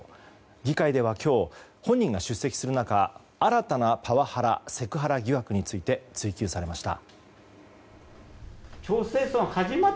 議会では今日、本人が出席する中新たなパワハラ・セクハラ疑惑について追及されました。